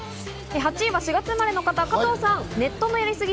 ８位は４月生まれの方、加藤さん。